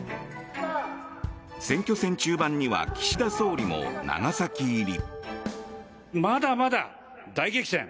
選挙戦中盤には岸田総理も長崎入り。